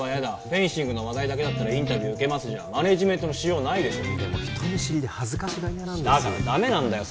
フェンシングの話題だけだったらインタビュー受けますじゃマネージメントのしようないでしょでも人見知りで恥ずかしがり屋なんですよだからダメなんだよ